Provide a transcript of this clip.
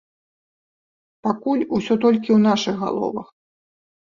Пакуль усё толькі ў нашых галовах.